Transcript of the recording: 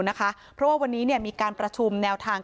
เพราะว่าวันนี้มีการประชุมแนวทาง